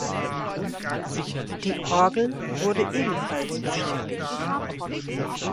Die Orgel wurde ebenfalls beschädigt.